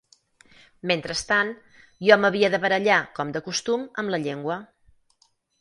Mentrestant, jo m'havia de barallar, com de costum, amb la llengua